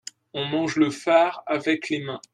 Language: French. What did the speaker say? on mange le far avec les mains.